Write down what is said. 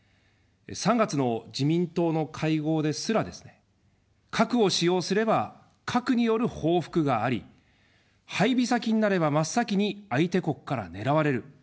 ３月の自民党の会合ですらですね、核を使用すれば核による報復があり、配備先になれば真っ先に相手国から狙われる。